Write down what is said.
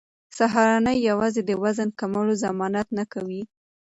سهارنۍ یوازې د وزن کمولو ضمانت نه کوي.